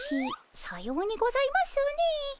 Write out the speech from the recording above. さようにございますねえ。